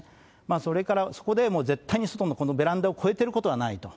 それから、そこで絶対に外のベランダを越えてることはないと。